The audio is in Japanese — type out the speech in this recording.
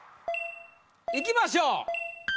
いきましょう。